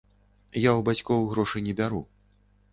Я ў бацькоў грошы не бяру.